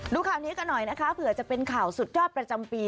ดูข่าวนี้กันหน่อยนะคะเผื่อจะเป็นข่าวสุดยอดประจำปี